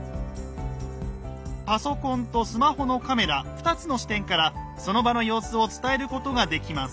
パソコンとスマホのカメラ２つの視点からその場の様子を伝えることができます。